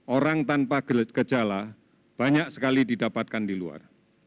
orang tanpa gejala banyak sekali didapatkan di luar